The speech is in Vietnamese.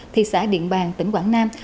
thị xã điện bàng tỉnh quảng nam